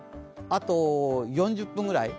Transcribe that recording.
あと４０分くらい。